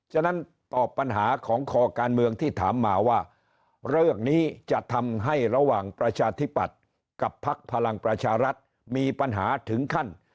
ฉะนั้นตอบปัญหาของคอการเมืองที่ถามมาว่าเรื่องนี้จะทำให้ระหว่างประชาธิปัตย์กับพักพลังประชารัฐมีปัญหาถึงขั้น